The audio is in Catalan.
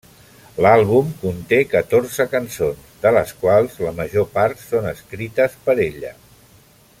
L'àlbum conté catorze cançons, de les quals la major part són escrites per ella.